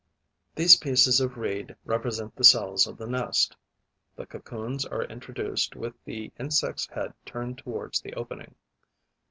These pieces of reed represent the cells of the nest. The cocoons are introduced with the insect's head turned towards the opening.